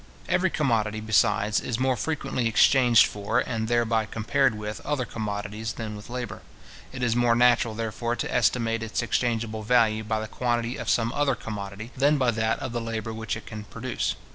Every commodity, besides, is more frequently exchanged for, and thereby compared with, other commodities, than with labour. It is more natural, therefore, to estimate its exchangeable value by the quantity of some other commodity, than by that of the labour which it can produce.